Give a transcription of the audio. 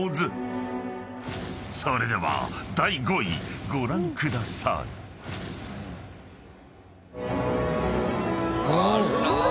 ［それでは第５位ご覧ください］うわ！